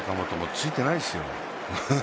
ついてないですよ。